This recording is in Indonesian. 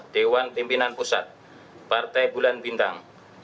dewan pimpinan pusat partai bulan bintang